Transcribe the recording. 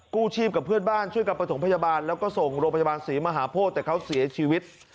กู้ชีพกับเพื่อนบ้านช่วยกับประถมพยาบาลแล้วก็ส่งโรงพยาบาลศรีมหาโพธิแต่เขาเสียชีวิต